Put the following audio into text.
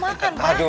gak apa apa tante